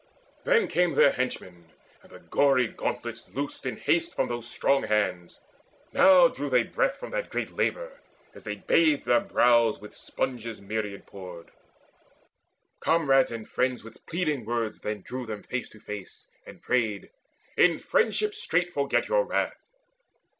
Then came Their henchmen, and the gory gauntlets loosed In haste from those strong hands. Now drew they breath From that great labour, as they bathed their brows With sponges myriad pored. Comrades and friends With pleading words then drew them face to face, And prayed, "In friendship straight forget your wrath."